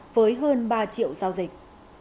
với hơn ba triệu giao dịch